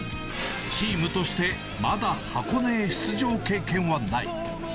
チームとしてまだ箱根出場経験はない。